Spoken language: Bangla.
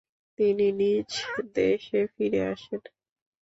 তিনি নিজ দেশে ফিরে আসেন।